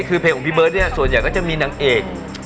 คือเพลงของพี่เบิร์ตเนี่ยส่วนใหญ่ก็จะมีนางเอก